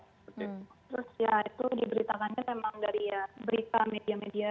terus ya itu diberitakannya memang dari berita media media